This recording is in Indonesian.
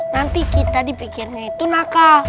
nanti kita dipikirnya itu nakal